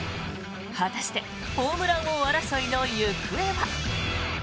果たしてホームラン王争いの行方は。